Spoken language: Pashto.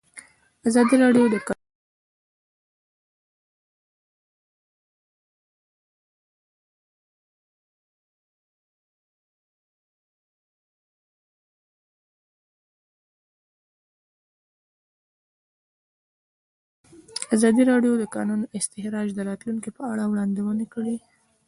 ازادي راډیو د د کانونو استخراج د راتلونکې په اړه وړاندوینې کړې.